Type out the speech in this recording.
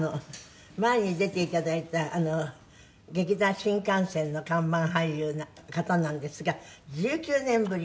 前に出て頂いた劇団☆新感線の看板俳優な方なんですが１９年ぶり。